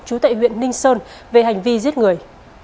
trú tại huyện ninh sơn về hành vi giết người